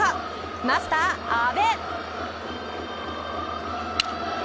マスター阿部。